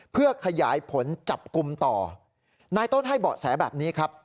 เพื่อขยายผลจับกลุ่มต่อนายต้นให้เบาะแสแบบนี้ครับ